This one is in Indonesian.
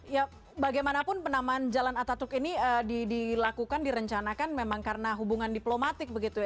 ya bagaimanapun penamaan jalan ataturk ini dilakukan direncanakan memang karena hubungan diplomatik begitu ya